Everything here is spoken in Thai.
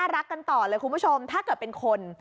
รักกันต่อเลยคุณผู้ชมถ้าเกิดเป็นคน